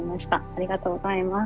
ありがとうございます。